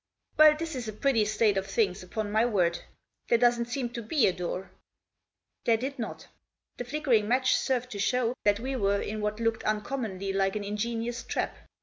" Well, this is a pretty state of things, upon my word ! There doesn't seem to be a door !" There did not. The flickering match served to show that we were in what looked uncommonly like an ingenious trap.